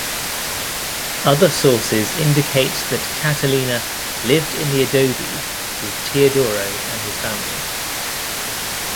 Other sources indicate that Catalina lived in the adobe with Teodoro and his family.